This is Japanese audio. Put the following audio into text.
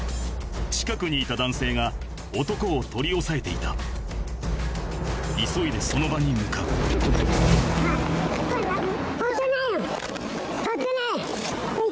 近くにいた男性が男を取り押さえていた急いでその場に向かう盗ってない。